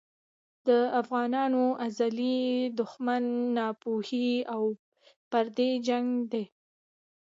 د افغانانو ازلي دښمن ناپوهي او پردی جنګ دی.